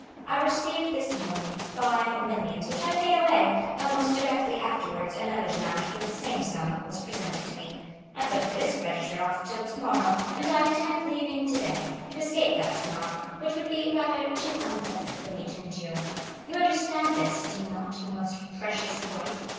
I received this morning five millions which I paid away; almost directly afterwards another demand for the same sum was presented to me; I put this creditor off till tomorrow and I intend leaving today, to escape that tomorrow, which would be rather too unpleasant for me to endure. You understand this, do you not, my most precious wife?